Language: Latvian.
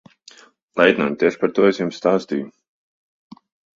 Leitnant, tieši par to es jums stāstīju.